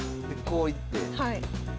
こう行って。